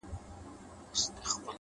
پر وجود څه ډول حالت وو اروا څه ډول وه ـ